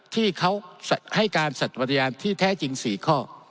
ที่เขาให้การสัตว์ปฏิญาณที่แท้จริง๔ข้อ